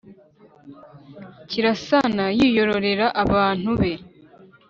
kirasana yigororera abantu be